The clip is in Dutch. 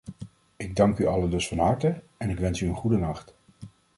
Ik dank u allen dus van harte, en ik wens u een goede nacht.